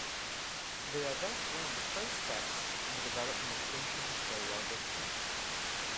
They are thus one of the first steps in the development of ancient historiography.